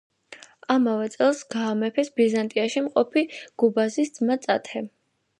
ამავე წელს გაამეფეს ბიზანტიაში მყოფი გუბაზის ძმა წათე.